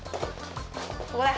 ここだ。